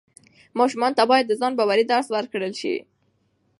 ماشومانو ته باید د ځان باورۍ درس ورکړل سي.